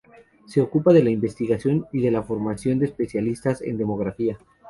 Se ocupa de la investigación y la formación de especialistas en demografía.